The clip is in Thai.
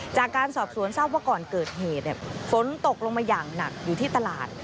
จากการสอบสวนทราบว่าก่อนเกิดเหตุฝนตกลงมาอย่างหนักอยู่ที่ตลาด